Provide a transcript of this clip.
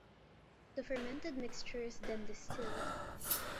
The fermented mixture is then distilled.